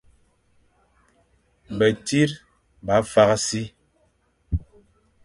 Betsir ba fakh si.